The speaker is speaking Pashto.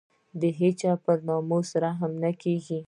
د هېچا پر ناموس رحم نه کېږي.